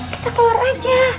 kita keluar aja